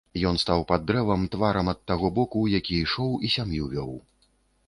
Ён стаў пад дрэвам тварам ад таго боку, у які ішоў і сям'ю вёў.